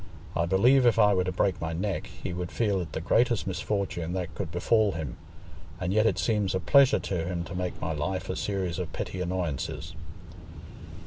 I believe if I were to break my neck, he would feel it the greatest misfortune that could befall him, and yet it seems a pleasure to him to make my life a series of petty annoyances."